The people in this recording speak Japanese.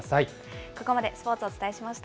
ここまでスポーツお伝えしました。